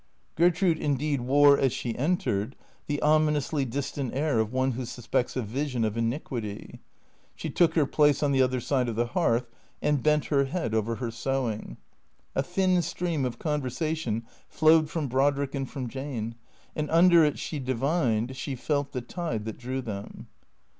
Gertrude indeed wore as she entered the ominously distant air of one who suspects a vision of iniquity. She took her place on the other side of the hearth and bent her head over her sewing. A thin stream of conversation flowed from Brodrick and from Jane, and under it she divined, she felt the tide that drew them.